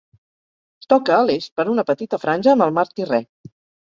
Toca a l'est, per una petita franja amb el mar Tirrè.